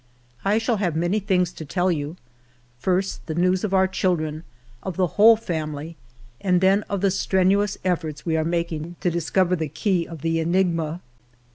I shall have many things to tell you : first, the news of our children, of the whole family, and then of the strenuous efforts we are making to discover the key of the enigma."